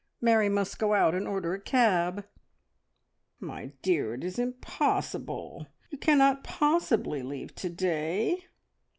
Mary must go out and order a cab!" "My dear, it is impossible! You cannot possibly leave to day.